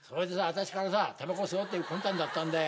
私からさたばこ吸おうっていう魂胆だったんだよ。